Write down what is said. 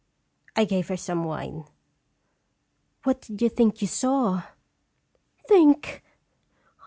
I gave her some wine " What did you think you saw?" " Think!